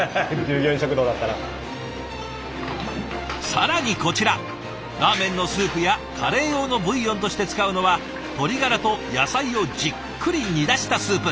更にこちらラーメンのスープやカレー用のブイヨンとして使うのは鶏ガラと野菜をじっくり煮出したスープ。